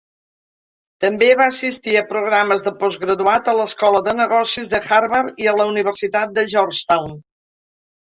També va assistir a programes de postgraduat a l'Escola de Negocis de Harvard i a la Universitat de Georgetown.